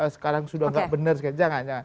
sekarang sudah tidak benar jangan